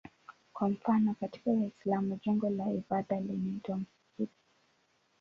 Kwa mfano katika Uislamu jengo la ibada linaitwa msikiti.